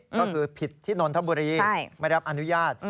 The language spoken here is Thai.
ก็คือผิดที่นนทบุรีไม่รับอนุญาต